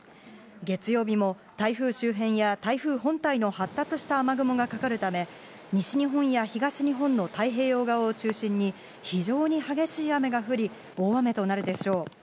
月曜日も台風周辺や台風本体の発達した雨雲がかかるため、西日本や東日本の太平洋側を中心に、非常に激しい雨が降り、大雨となるでしょう。